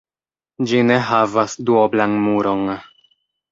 Ĝi ne havas duoblan muron.